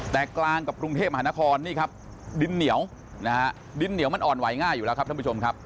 แต่กลางกับกรุงเทพมหานครนี่ครับดินเหนียวนะฮะดินเหนียวมันอ่อนไหวง่ายอยู่แล้วครับท่านผู้ชมครับ